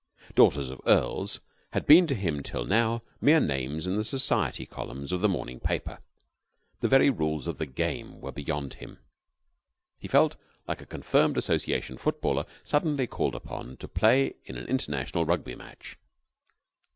Daughters of earls had been to him till now mere names in the society columns of the morning paper. The very rules of the game were beyond him. He felt like a confirmed Association footballer suddenly called upon to play in an International Rugby match.